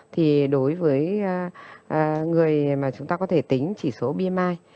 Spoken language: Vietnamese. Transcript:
thì đối với người mà chúng ta có thể tính chỉ số bi